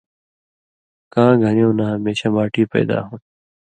کاں گھریُوں نہ ہمیشہ ماٹی پیدا ہوں تھی